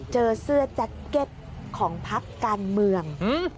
เจอเสื้อแจ็คเก็ตของพักการเมือง